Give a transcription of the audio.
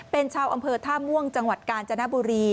เป็นชาวอำเภอท่าม่วงจังหวัดกาญจนบุรี